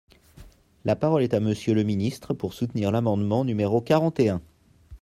La parole est à Monsieur le ministre, pour soutenir l’amendement numéro quarante et un.